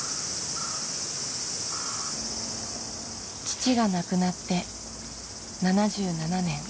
父が亡くなって７７年。